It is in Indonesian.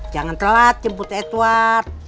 jangan telat jemput edward